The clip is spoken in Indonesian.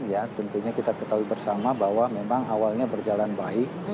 ya tentunya kita ketahui bersama bahwa memang awalnya berjalan baik